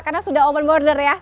karena sudah open border ya